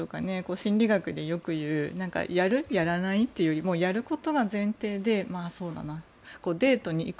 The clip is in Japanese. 心理学でよく言うやる？やらない？というよりやることが前提でそうだなデートに行く？